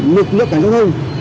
lực lượng cảnh sát thông